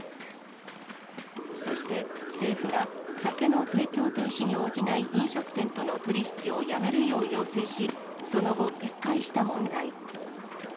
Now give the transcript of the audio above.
そして、政府が酒の提供停止に応じない飲食店との取り引きをやめるよう要請し、その後、撤回した問題。